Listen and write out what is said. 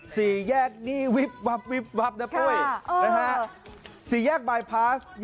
สีแยกนี้วิบว้าบวิบว้าบนะปุ้ย